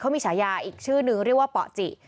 มีฉายาอีกชื่อนึงเรียกว่าป่อจิ